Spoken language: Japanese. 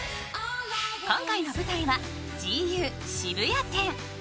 今回の舞台はＧＵ渋谷店。